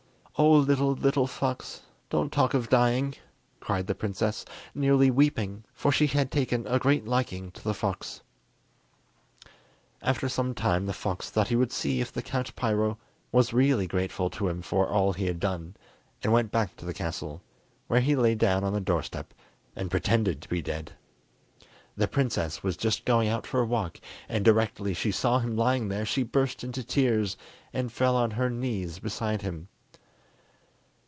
"Oh, little, little fox, don't talk of dying," cried the princess, nearly weeping, for she had taken a great liking to the fox. After some time the fox thought he would see if the Count Piro was really grateful to him for all he had done, and went back to the castle, where he lay down on the door step, and pretended to be dead. The princess was just going out for a walk, and directly she saw him lying there, she burst into tears and fell on her knees beside him.